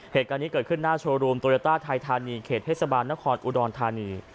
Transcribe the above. เหตุการณ์นี้เกิดขึ้นหน้าโชว์รูมโตโยต้าไทยธานีเขตเทศบาลนครอุดรธานี